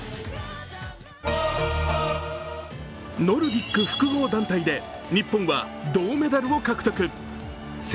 ノルディック複合団体で日本は銅メダルを獲得。